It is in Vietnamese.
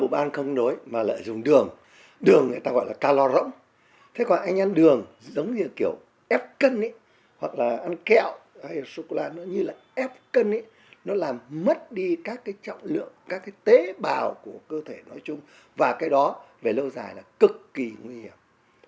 nếu mà bụng ăn không đối mà lại dùng đường đường người ta gọi là caloron thế còn anh ăn đường giống như kiểu ép cân hoặc là ăn kẹo hay là sô cô la như là ép cân nó làm mất đi các trọng lượng các tế bào của cơ thể nói chung và cái đó về lâu dài là cực kỳ nguy hiểm